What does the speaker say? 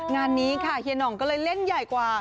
งานนี้ค่ะเฮียหน่องก็เลยเล่นใหญ่กว่า